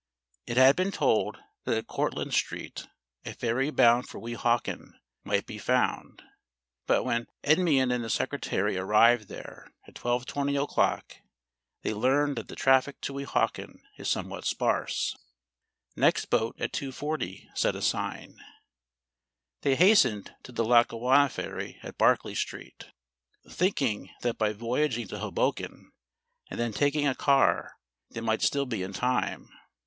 It had been told that at Cortlandt Street a ferry bound for Weehawken might be found; but when Endymion and the Secretary arrived there, at 12:20 o'clock, they learned that the traffic to Weehawken is somewhat sparse. Next boat at 2:40, said a sign. They hastened to the Lackawanna ferry at Barclay Street, thinking that by voyaging to Hoboken and then taking a car they might still be in time.